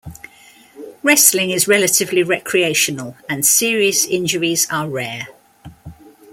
Wrestling is relatively recreational, and serious injuries are rare.